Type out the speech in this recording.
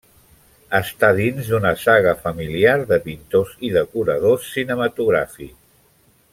Està dins d'una saga familiar de pintors i decoradors cinematogràfics.